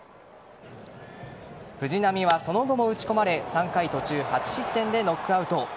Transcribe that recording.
藤浪はその後も打ち込まれ３回途中８失点でノックアウト。